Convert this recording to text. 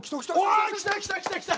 うわ来た来た来た来た！